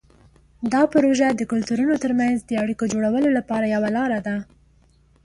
دا پروژه د کلتورونو ترمنځ د اړیکو جوړولو لپاره یوه لاره ده.